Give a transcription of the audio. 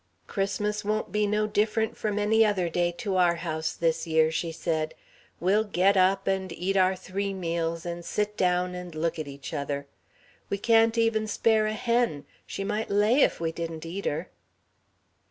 "Christmas won't be no different from any other day to our house this year," she said. "We'll get up and eat our three meals and sit down and look at each other. We can't even spare a hen she might lay if we didn't eat her."